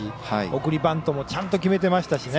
送りバントもちゃんと決めてましたし